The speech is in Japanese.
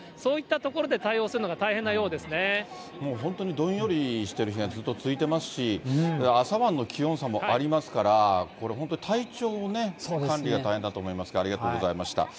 本当にどんよりしてる日がずっと続いてますし、朝晩の気温差もありますから、これ、本当に体調管理が大変だと思いますが、ありがとうございました。